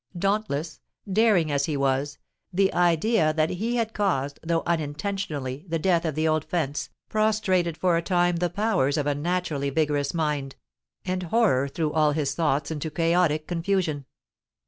Dauntless—daring as he was, the idea that he had caused, though unintentionally, the death of the old fence, prostrated for a time the powers of a naturally vigorous mind; and horror threw all his thoughts into chaotic confusion.